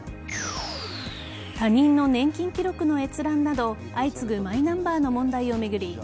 他人の年金記録の閲覧など相次ぐマイナンバーの問題を巡り